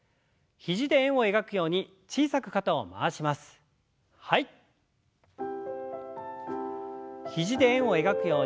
肘で円を描くように小さく肩を回しましょう。